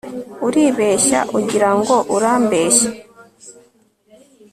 uribeshya ugira ngo urambeshya